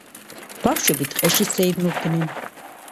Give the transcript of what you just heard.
ბავშვები ტყეში სეირნობდნენ.